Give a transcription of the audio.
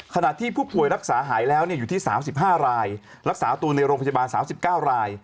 ขณะที่ผู้ป่วยรักษาหายแล้วอยู่ที่๓๕รายรักษาตัวในโรงพยาบาล๓๙ราย